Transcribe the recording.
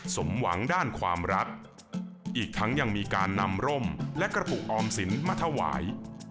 สมหวังด้านความรักอีกทั้งยังมีการนำร่มและกระปุกออมสินมาถวาย